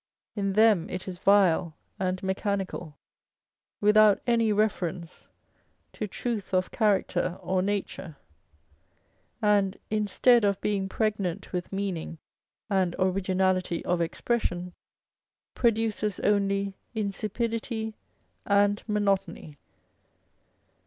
In them it is vile and mechanical, without any reference to truth of character or nature ; and instead of being pregnant with meaning aud originality of expression, produces only insipidity and monotony.